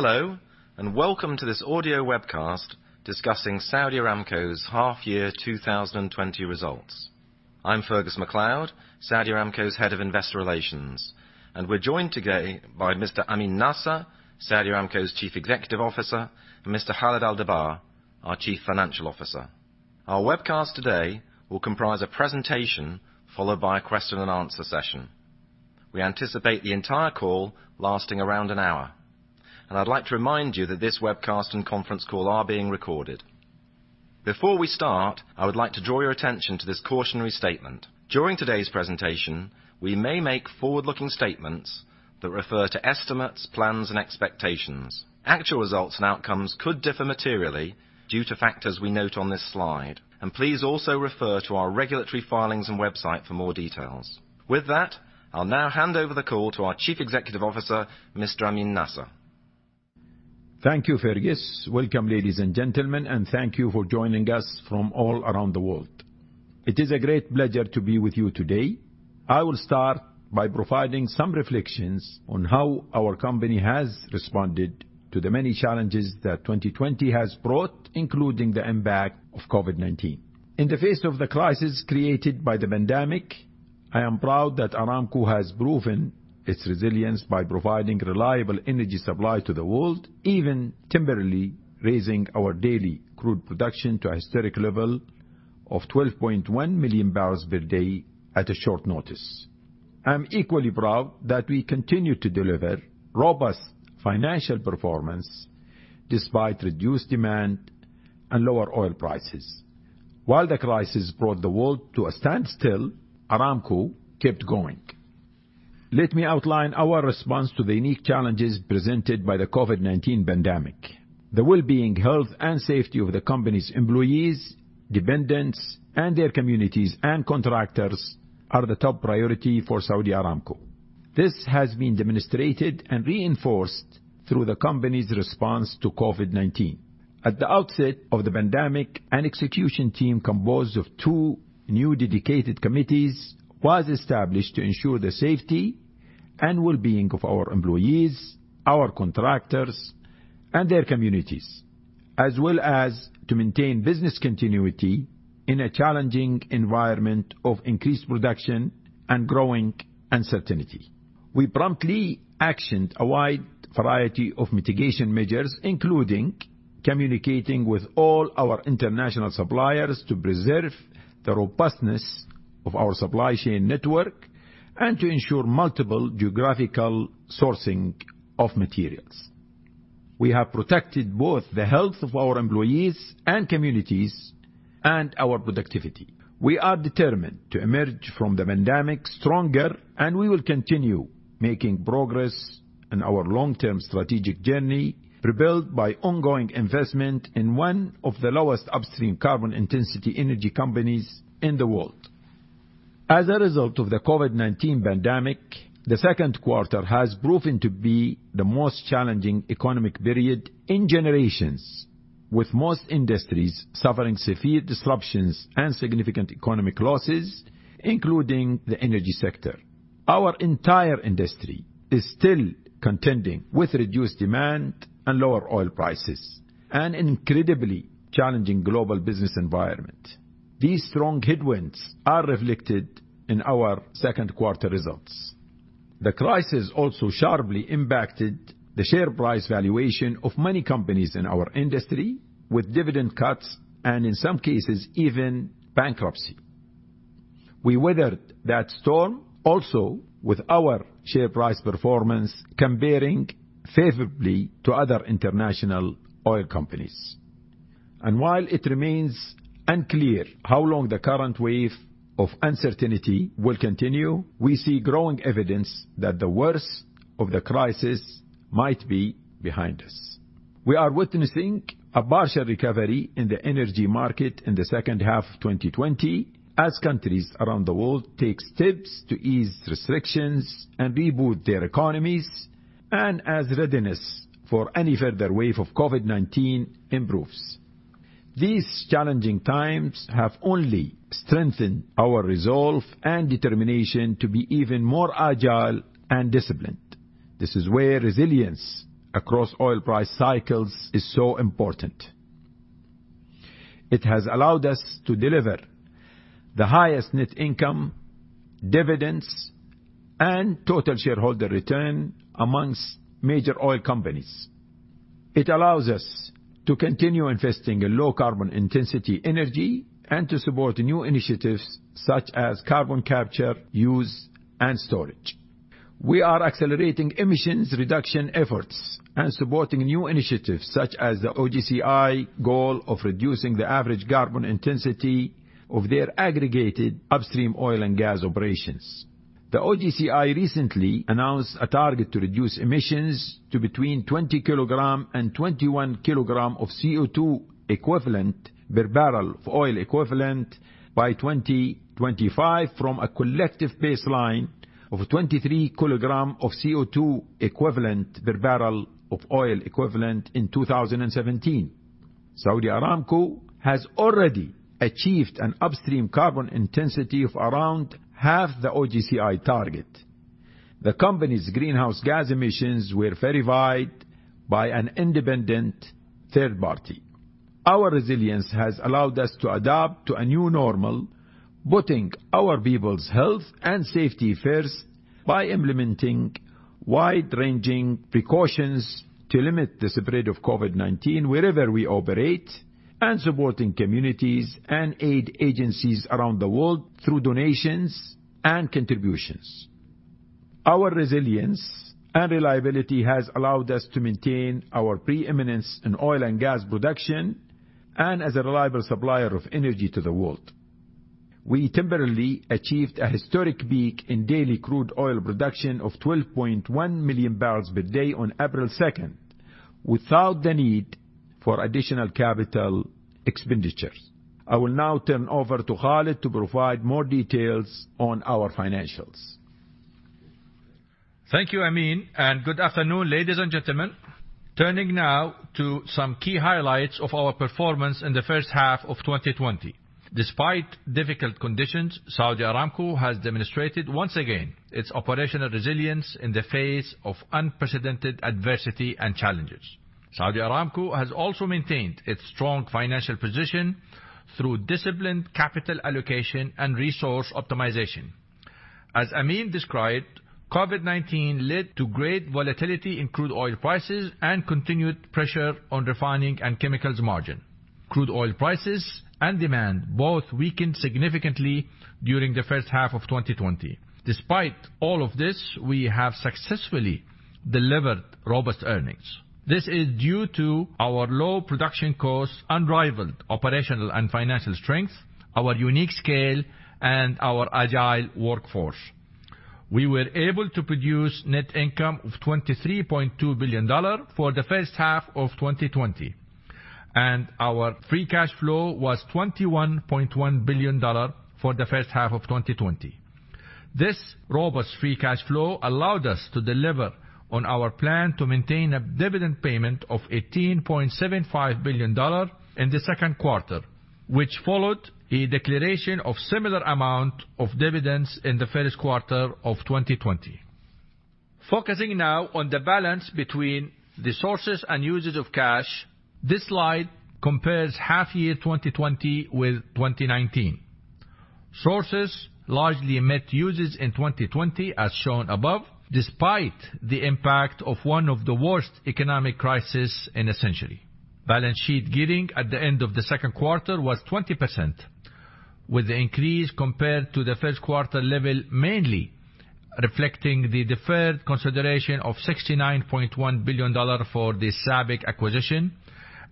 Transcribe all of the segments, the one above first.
Hello, welcome to this audio webcast discussing Saudi Aramco's half-year 2020 results. I'm Fergus MacLeod, Saudi Aramco's Head of Investor Relations, and we're joined today by Mr. Amin Nasser, Saudi Aramco's Chief Executive Officer, and Mr. Khalid Al-Dabbagh, our Chief Financial Officer. Our webcast today will comprise a presentation followed by a question-and-answer session. We anticipate the entire call lasting around an hour, and I'd like to remind you that this webcast and conference call are being recorded. Before we start, I would like to draw your attention to this cautionary statement. During today's presentation, we may make forward-looking statements that refer to estimates, plans, and expectations. Actual results and outcomes could differ materially due to factors we note on this slide, and please also refer to our Regulatory Filings and website for more details. With that, I'll now hand over the call to our Chief Executive Officer, Mr. Amin Nasser. Thank you, Fergus. Welcome, ladies and gentlemen, and thank you for joining us from all around the world. It is a great pleasure to be with you today. I will start by providing some reflections on how our company has responded to the many challenges that 2020 has brought, including the impact of COVID-19. In the face of the crisis created by the pandemic, I am proud that Aramco has proven its resilience by providing reliable energy supply to the world, even temporarily raising our daily crude production to a historic level of 12.1 million barrels per day at a short notice. I'm equally proud that we continue to deliver robust financial performance despite reduced demand and lower oil prices. While the crisis brought the world to a standstill, Aramco kept going. Let me outline our response to the unique challenges presented by the COVID-19 pandemic. The well-being, health, and safety of the company's employees, dependents, and their communities and contractors are the top priority for Saudi Aramco. This has been demonstrated and reinforced through the company's response to COVID-19. At the outset of the pandemic, an execution team composed of two new dedicated committees was established to ensure the safety and well-being of our employees, our contractors, and their communities, as well as to maintain business continuity in a challenging environment of increased reduction and growing uncertainty. We promptly actioned a wide variety of mitigation measures, including communicating with all our international suppliers to preserve the robustness of our supply chain network and to ensure multiple geographical sourcing of materials. We have protected both the health of our employees and communities and our productivity. We are determined to emerge from the pandemic stronger. We will continue making progress in our long-term strategic journey propelled by ongoing investment in one of the lowest upstream carbon intensity energy companies in the world. As a result of the COVID-19 pandemic, the second quarter has proven to be the most challenging economic period in generations, with most industries suffering severe disruptions and significant economic losses, including the energy sector. Our entire industry is still contending with reduced demand and lower oil prices, an incredibly challenging global business environment. These strong headwinds are reflected in our second quarter results. The crisis also sharply impacted the share price valuation of many companies in our industry with dividend cuts and, in some cases, even bankruptcy. We weathered that storm also with our share price performance comparing favorably to other international oil companies. While it remains unclear how long the current wave of uncertainty will continue, we see growing evidence that the worst of the crisis might be behind us. We are witnessing a partial recovery in the energy market in the second half of 2020 as countries around the world take steps to ease restrictions and reboot their economies and as readiness for any further wave of COVID-19 improves. These challenging times have only strengthened our resolve and determination to be even more agile and disciplined. This is where resilience across oil price cycles is so important. It has allowed us to deliver the highest net income, dividends, and total shareholder return amongst major oil companies. It allows us to continue investing in low carbon intensity energy and to support new initiatives such as carbon capture, use, and storage. We are accelerating emissions reduction efforts and supporting new initiatives such as the OGCI goal of reducing the average carbon intensity of their aggregated upstream oil and gas operations. The OGCI recently announced a target to reduce emissions to between 20 kg and 21 kg of CO2 equivalent per barrel of oil equivalent by 2025 from a collective baseline of 23 kg of CO2 equivalent per barrel of oil equivalent in 2017. Saudi Aramco has already achieved an upstream carbon intensity of around half the OGCI target. The company's greenhouse gas emissions were verified by an independent third party. Our resilience has allowed us to adapt to a new normal, putting our people's health and safety first by implementing wide-ranging precautions to limit the spread of COVID-19 wherever we operate and supporting communities and aid agencies around the world through donations and contributions. Our resilience and reliability has allowed us to maintain our pre-eminence in oil and gas production and as a reliable supplier of energy to the world. We temporarily achieved a historic peak in daily crude oil production of 12.1 million barrels per day on April 2nd, without the need for additional capital expenditures. I will now turn over to Khalid to provide more details on our financials. Thank you, Amin, and good afternoon, ladies and gentlemen. Turning now to some key highlights of our performance in the first half of 2020. Despite difficult conditions, Saudi Aramco has demonstrated once again its operational resilience in the face of unprecedented adversity and challenges. Saudi Aramco has also maintained its strong financial position through disciplined capital allocation and resource optimization. As Amin described, COVID-19 led to great volatility in crude oil prices and continued pressure on refining and chemicals margin. Crude oil prices and demand both weakened significantly during the first half of 2020. Despite all of this, we have successfully delivered robust earnings. This is due to our low production cost, unrivaled operational and financial strength, our unique scale, and our agile workforce. We were able to produce net income of $23.2 billion for the first half of 2020, and our free cash flow was $21.1 billion for the first half of 2020. This robust free cash flow allowed us to deliver on our plan to maintain a dividend payment of $18.75 billion in the second quarter, which followed a declaration of similar amount of dividends in the first quarter of 2020. Focusing now on the balance between the sources and uses of cash, this slide compares half year 2020 with 2019. Sources largely met uses in 2020 as shown above, despite the impact of one of the worst economic crisis in a century. Balance sheet gearing at the end of the second quarter was 20%, with the increase compared to the first quarter level mainly reflecting the deferred consideration of $69.1 billion for the SABIC acquisition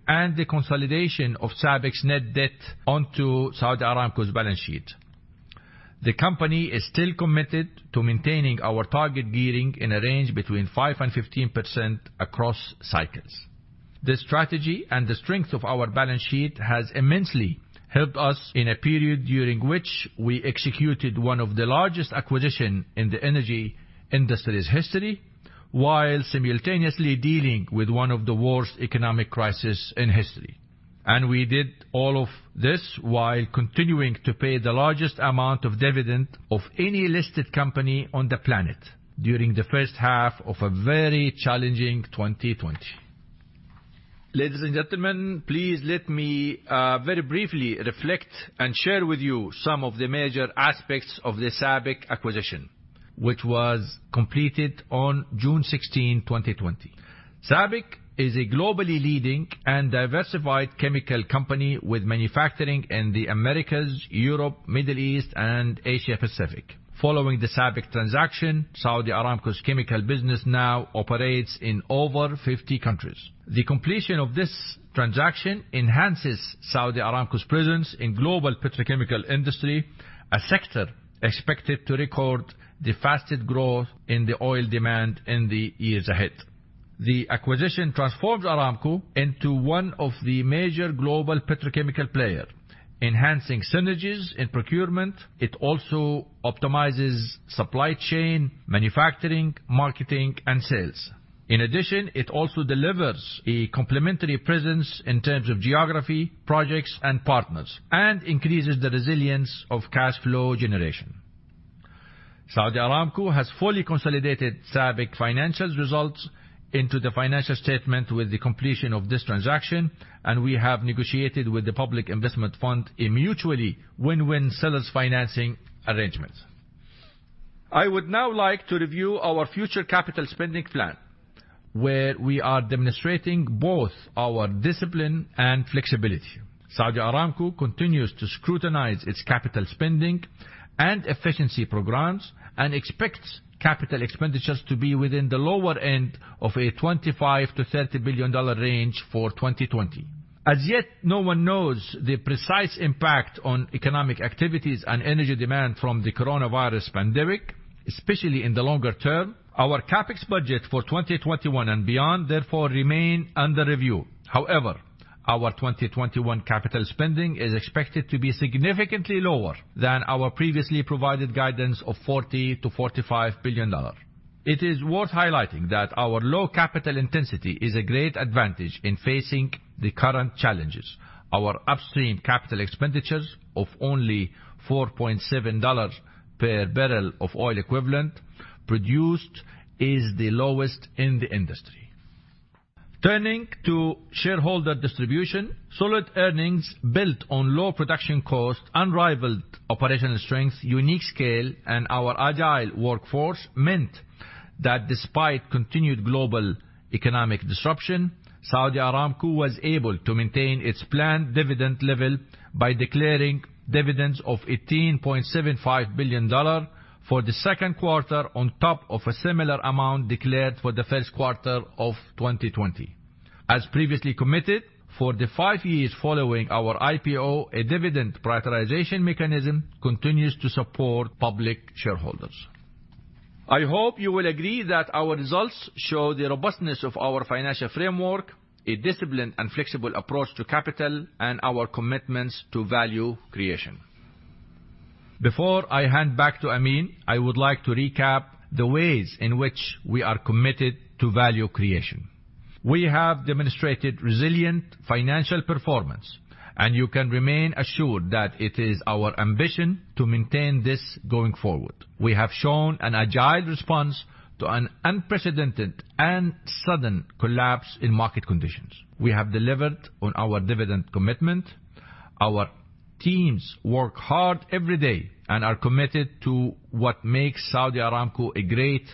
and the consolidation of SABIC's net debt onto Saudi Aramco's balance sheet. The company is still committed to maintaining our target gearing in a range between 5% and 15% across cycles. This strategy and the strength of our balance sheet has immensely helped us in a period during which we executed one of the largest acquisitions in the energy industry's history, while simultaneously dealing with one of the worst economic crisis in history. We did all of this while continuing to pay the largest amount of dividend of any listed company on the planet during the first half of a very challenging 2020. Ladies and gentlemen, please let me very briefly reflect and share with you some of the major aspects of the SABIC acquisition, which was completed on June 16, 2020. SABIC is a globally leading and diversified chemical company with manufacturing in the Americas, Europe, Middle East, and Asia Pacific. Following the SABIC transaction, Saudi Aramco's Chemical business now operates in over 50 countries. The completion of this transaction enhances Saudi Aramco's presence in global petrochemical industry, a sector expected to record the fastest growth in the oil demand in the years ahead. The acquisition transforms Aramco into one of the major global petrochemical player, enhancing synergies in procurement. It also optimizes supply chain, manufacturing, marketing, and sales. In addition, it also delivers a complementary presence in terms of geography, projects, and partners, and increases the resilience of cash flow generation. Saudi Aramco has fully consolidated SABIC's financials results into the financial statement with the completion of this transaction, and we have negotiated with the Public Investment Fund a mutually win-win sellers financing arrangement. I would now like to review our future capital spending plan, where we are demonstrating both our discipline and flexibility. Saudi Aramco continues to scrutinize its capital spending and efficiency programs and expects capital expenditures to be within the lower end of a $25 billion-$30 billion range for 2020. As yet, no one knows the precise impact on economic activities and energy demand from the COVID-19 pandemic, especially in the longer term. Our CapEx budget for 2021 and beyond, therefore, remain under review. However, our 2021 capital spending is expected to be significantly lower than our previously provided guidance of $40 billion-$45 billion. It is worth highlighting that our low capital intensity is a great advantage in facing the current challenges. Our upstream capital expenditures of only $4.7 per barrel of oil equivalent produced is the lowest in the industry. Turning to shareholder distribution, solid earnings built on low production cost, unrivaled operational strength, unique scale, and our agile workforce meant that despite continued global economic disruption, Saudi Aramco was able to maintain its planned dividend level by declaring dividends of $18.75 billion for the second quarter, on top of a similar amount declared for the first quarter of 2020. As previously committed, for the five years following our IPO, a dividend prioritization mechanism continues to support public shareholders. I hope you will agree that our results show the robustness of our financial framework, a disciplined and flexible approach to capital, and our commitments to value creation. Before I hand back to Amin, I would like to recap the ways in which we are committed to value creation. We have demonstrated resilient financial performance, and you can remain assured that it is our ambition to maintain this going forward. We have shown an agile response to an unprecedented and sudden collapse in market conditions. We have delivered on our dividend commitment. Our teams work hard every day and are committed to what makes Saudi Aramco a great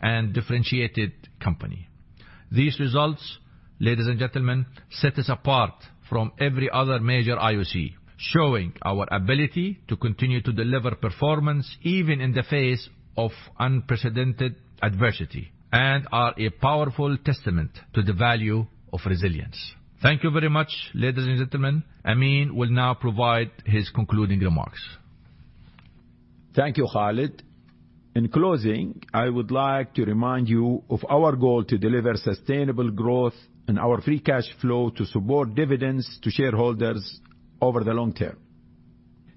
and differentiated company. These results, ladies and gentlemen, set us apart from every other major IOC, showing our ability to continue to deliver performance even in the face of unprecedented adversity, and are a powerful testament to the value of resilience. Thank you very much, ladies and gentlemen. Amin will now provide his concluding remarks. Thank you, Khalid. In closing, I would like to remind you of our goal to deliver sustainable growth and our free cash flow to support dividends to shareholders over the long term.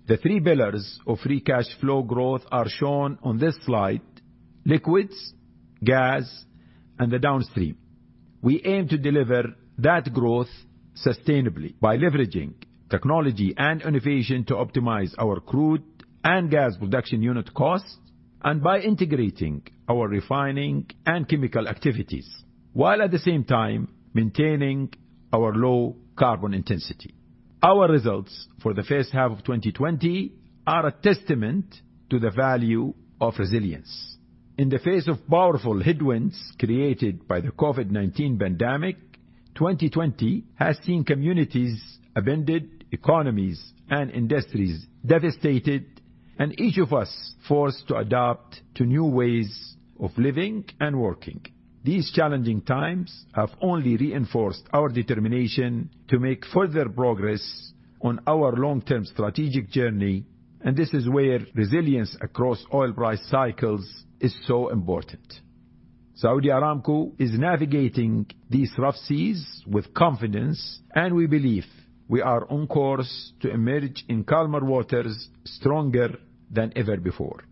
The three pillars of free cash flow growth are shown on this slide: liquids, gas, and the downstream. We aim to deliver that growth sustainably by leveraging technology and innovation to optimize our crude and gas production unit costs and by integrating our refining and chemical activities while at the same time maintaining our low carbon intensity. Our results for the first half of 2020 are a testament to the value of resilience. In the face of powerful headwinds created by the COVID-19 pandemic, 2020 has seen communities upended, economies and industries devastated, and each of us forced to adapt to new ways of living and working. These challenging times have only reinforced our determination to make further progress on our long-term strategic journey, and this is where resilience across oil price cycles is so important. Saudi Aramco is navigating these rough seas with confidence, and we believe we are on course to emerge in calmer waters stronger than ever before.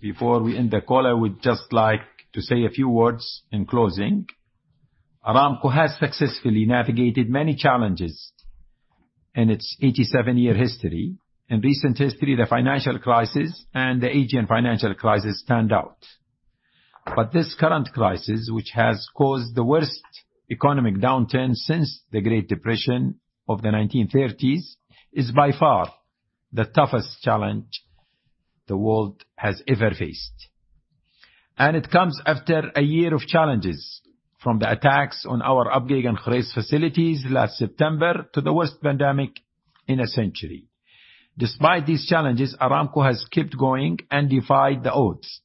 Before we end the call, I would just like to say a few words in closing. Aramco has successfully navigated many challenges in its 87-year history. In recent history, the financial crisis and the Asian financial crisis stand out. This current crisis, which has caused the worst economic downturn since the Great Depression of the 1930s, is by far the toughest challenge the world has ever faced. It comes after a year of challenges, from the attacks on our Abqaiq and Khurais facilities last September to the worst pandemic in a century. Despite these challenges, Aramco has kept going and defied the odds.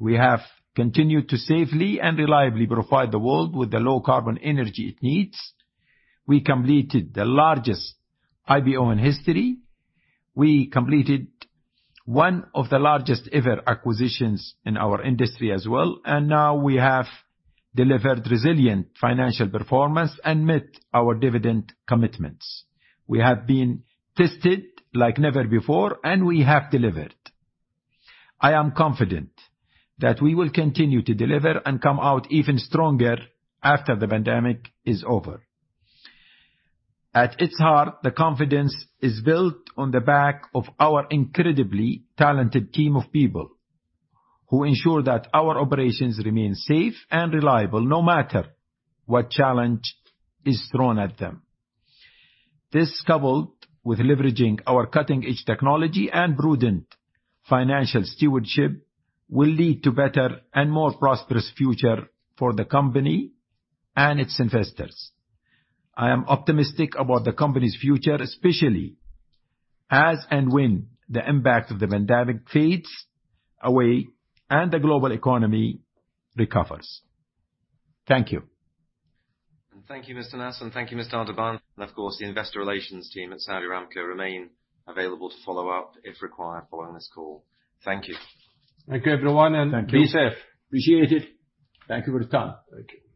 We have continued to safely and reliably provide the world with the low carbon energy it needs. We completed the largest IPO in history. Now we have delivered resilient financial performance and met our dividend commitments. We have been tested like never before, and we have delivered. I am confident that we will continue to deliver and come out even stronger after the pandemic is over. At its heart, the confidence is built on the back of our incredibly talented team of people who ensure that our operations remain safe and reliable no matter what challenge is thrown at them. This, coupled with leveraging our cutting-edge technology and prudent financial stewardship, will lead to better and more prosperous future for the company and its investors. I am optimistic about the company's future, especially as and when the impact of the pandemic fades away and the global economy recovers. Thank you. Thank you, Mr. Nasser, and thank you, Mr. Al-Dabbagh. Of course, the Investor Relations team at Saudi Aramco remain available to follow up if required following this call. Thank you. Thank you, everyone. Thank you. Be safe. Appreciate it. Thank you for your time. Thank you.